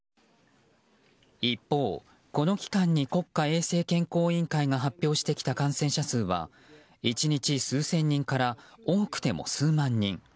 一方、この期間に国家衛生健康委員会が発表してきた感染者数は１日数千人から多くても数万人。